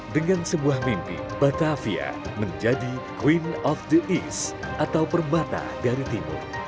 dengan sebuah mimpi batavia menjadi queen of the east atau permata dari timur